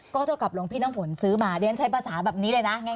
ก็เท่ากับหลวงพี่นักผลซื้อมาดังนั้นใช้ภาษาแบบนี้เลยน่ะง่ายง่าย